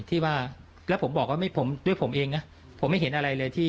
ที่ว่าแล้วผมบอกว่าไม่ผมด้วยผมเองนะผมไม่เห็นอะไรเลยที่